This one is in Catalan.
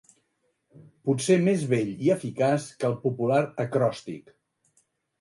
Potser més bell i eficaç que el popular acròstic.